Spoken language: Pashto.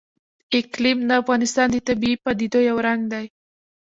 اقلیم د افغانستان د طبیعي پدیدو یو رنګ دی.